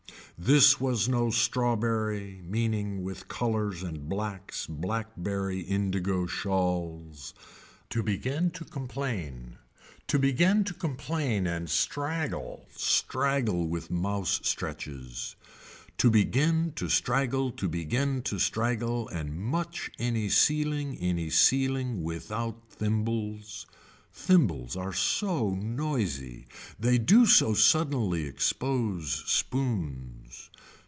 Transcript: This was no strawberry meaning with colors and blacks black berry indigo shawls. To begin to complain. To begin to complain and straggle straggle with mouse stretches. To begin to straggle to begin to straggle and much any sealing any sealing without thimbles. Thimbles are so noisy. They do so suddenly expose spoons.